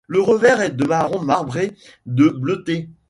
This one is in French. Le revers est de marron marbré de bleuté.